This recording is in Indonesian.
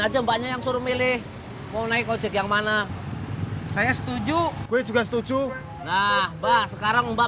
aja mbaknya yang suruh milih mau naik ojek yang mana saya setuju gue juga setuju nah mbah sekarang mbak